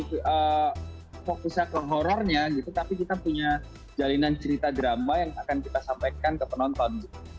itu fokusnya ke horrornya gitu tapi kita punya jalinan cerita drama yang akan kita sampaikan ke penonton